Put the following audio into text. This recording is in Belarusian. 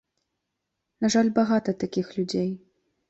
На жаль, багата такіх людзей.